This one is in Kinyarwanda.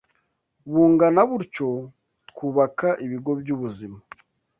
bungana butyo twubaka ibigo by’ubuzima?